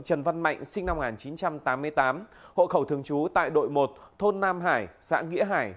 trần văn mạnh sinh năm một nghìn chín trăm tám mươi tám hộ khẩu thường trú tại đội một thôn nam hải xã nghĩa hải